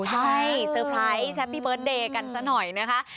ใช่เซอร์ไพรส์แชปปี้เบิร์ตเดย์กันซะหน่อยนะคะ